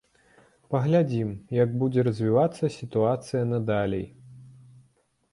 Паглядзім, як будзе развівацца сітуацыя надалей.